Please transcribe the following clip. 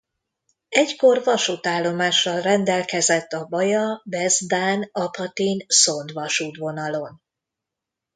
Egykor vasútállomással rendelkezett a Baja–Bezdán–Apatin–Szond-vasútvonalon.